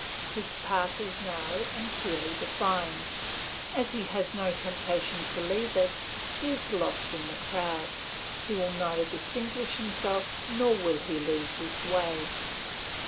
His path is narrow and clearly defined; as he has no temptation to leave it, he is lost in the crowd; he will neither distinguish himself nor will he lose his way.